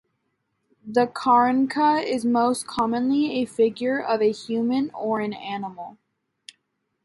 The carranca is most commonly a figure of a human or an animal.